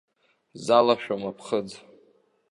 Залашәом аԥхыӡ.